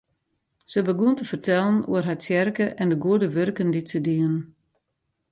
Se begûn te fertellen oer har tsjerke en de goede wurken dy't se dienen.